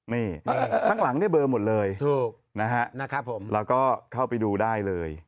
นี่ข้างหลังเนี่ยเบอร์หมดเลยถูกนะฮะผมแล้วก็เข้าไปดูได้เลย